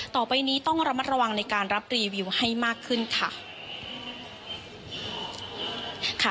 ต่อไปนี้ต้องระมัดระวังในการรับรีวิวให้มากขึ้นค่ะ